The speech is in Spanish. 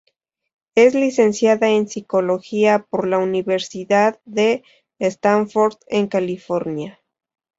Es licenciada en psicología por la Universidad de Stanford en California.